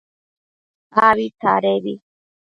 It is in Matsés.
Abi tsadebi